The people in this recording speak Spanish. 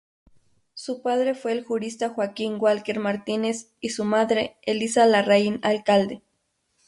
Su padre fue el jurista Joaquín Walker Martínez y su madre, Elisa Larraín Alcalde.